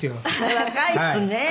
若いのね。